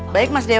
baik mas dewa